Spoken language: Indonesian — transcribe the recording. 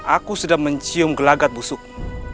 aku sedang mencium gelagat busukmu